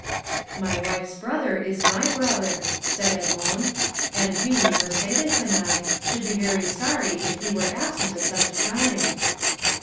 "My wife's brother is my brother," said Edmond; "and we, Mercédès and I, should be very sorry if he were absent at such a time."